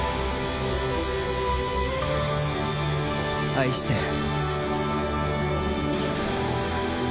愛してる。